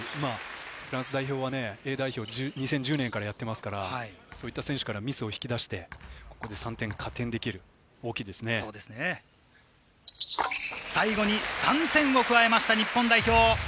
フランス代表はＡ代表を２０１０年からやっていますから、そういった選手からミスを引き出して、ここで３点加点できるのは最後に３点を加えました日本代表。